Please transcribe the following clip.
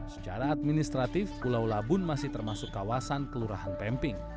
secara administratif pulau labun masih termasuk kawasan kelurahan pemping